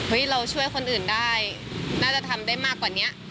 เราช่วยคนอื่นได้น่าจะทำได้มากกว่านี้